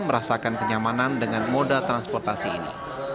merasakan kenyamanan dengan moda transportasi ini